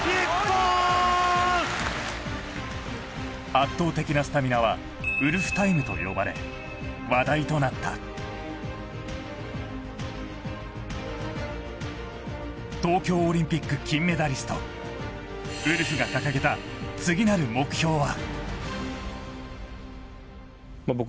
圧倒的なスタミナはウルフタイムと呼ばれ話題となった東京オリンピック金メダリストウルフが掲げた次なる目標は？